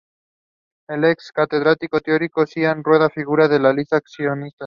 El ex catedrático Teodoro Sainz Rueda figura en la lista de accionistas.